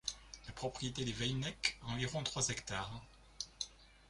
La propriété des Weinek a environ trois hectares.